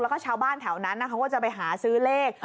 แล้วก็ชาวบ้านแถวนั้นเขาก็จะไปหาซื้อเลข